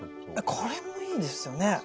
これもいいですよね。